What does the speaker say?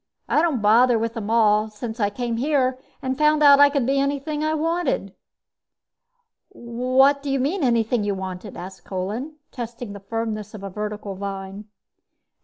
I don't bother with them all, since I came here and found out I could be anything I wanted." "What do you mean, anything you wanted?" asked Kolin, testing the firmness of a vertical vine.